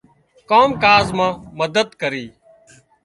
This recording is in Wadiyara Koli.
هانَ ڪام ڪاز مان مدد ڪري۔